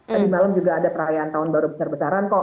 tadi malam juga ada perayaan tahun baru besar besaran kok